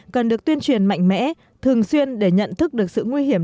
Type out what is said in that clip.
cần được tuyên truyền mạnh mẽ thường xuyên để nhận thức được sự nguy hiểm